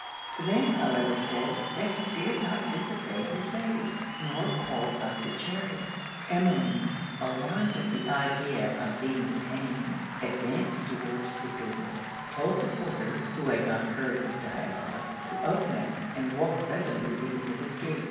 The man however said, that he dared not disobey his Lady, nor call up the chariot. Emmeline, alarmed at the idea of being detained, advanced towards the door, told the porter (who had not heard this dialogue,) to open it, and walked resolutely into the street.